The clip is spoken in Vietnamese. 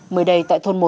mới đây tại thôn một